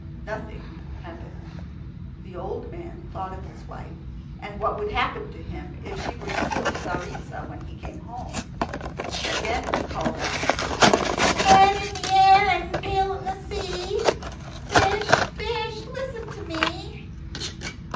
Nothing happened. The old man thought of his wife, and what would happen to him if she were still Tzaritza when he came home. Again he called out, "Head in air and tail in sea, Fish, fish, listen to me."